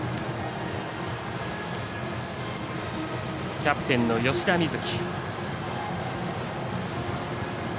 キャプテンの吉田瑞樹。